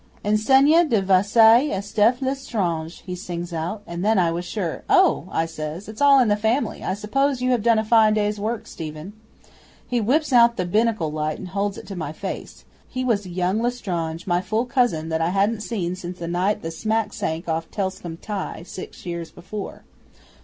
'"Enseigne de Vaisseau Estephe L'Estrange," he sings out, and then I was sure. '"Oh!" I says. "It's all in the family, I suppose, but you have done a fine day's work, Stephen." 'He whips out the binnacle light and holds it to my face. He was young L'Estrange, my full cousin, that I hadn't seen since the night the smack sank off Telscombe Tye six years before.